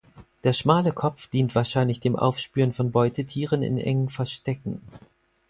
Der schmale Kopf dient wahrscheinlich dem Aufspüren von Beutetieren in engen Verstecken.